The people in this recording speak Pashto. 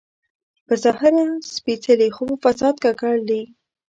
چې په ظاهره سپېڅلي خو په فساد کې ککړ دي.